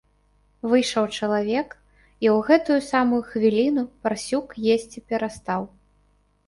Выйшаў чалавек, і ў гэтую самую хвіліну парсюк есці перастаў.